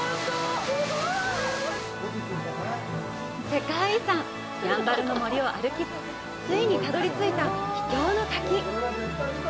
世界遺産やんばるの森を歩きついにたどり着いた秘境の滝